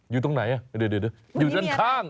อยู่ตรงไหนเดี๋ยวอยู่ด้านข้าง